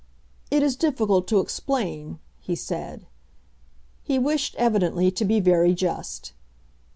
"It is difficult to explain," he said. He wished, evidently, to be very just.